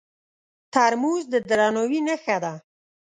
ترموز د درناوي نښه ده.